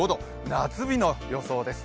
夏日の予想です。